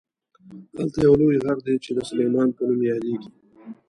هلته یو لوی غر دی چې د سلیمان په نوم یادیږي.